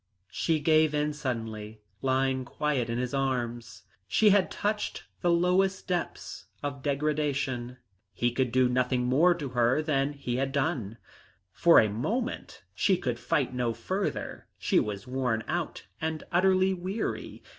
She gave in suddenly, lying quiet in his arms. She had touched the lowest depths of degradation; he could do nothing more to her than he had done. For the moment she could fight no further, she was worn out and utterly weary.